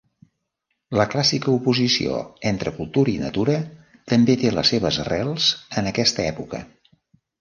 La clàssica oposició entre cultura i natura també té les seves arrels en aquesta època.